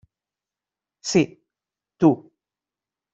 Sí, tu.